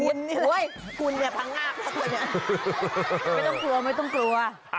คุณคุณเนี่ยพังอาบไม่ต้องกลัวไม่ต้องกลัว